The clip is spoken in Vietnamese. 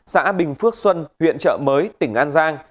xã bình phước xuân huyện chợ mới tỉnh an giang